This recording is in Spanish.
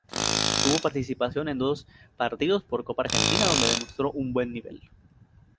Tuvo participación en dos partidos por Copa Argentina donde demostró un buen nivel.